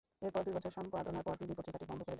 এরপর দুই বছর সম্পাদনার পর তিনি পত্রিকাটি বন্ধ করে দেন।